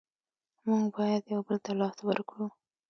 مونږ باید یو بل ته لاس ورکړو.